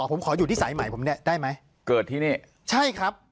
ผมขออยู่ที่สายใหม่ผมเนี่ยได้ไหมเกิดที่นี่ใช่ครับ